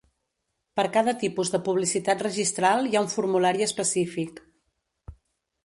Per cada tipus de publicitat registral hi ha un formulari específic.